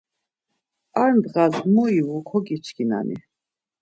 Ar ndğas mu ivu kogiçkinani?